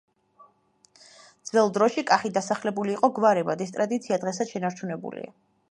ძველ დროში კახი დასახლებული იყო გვარებად, ეს ტრადიცია დღესაც შენარჩუნებულია.